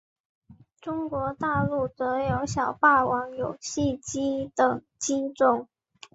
中国大陆则有小霸王游戏机等机种。